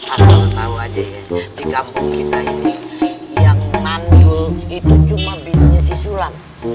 asal tau aja ya di kampung kita ini yang mandul itu cuma bedanya si sulam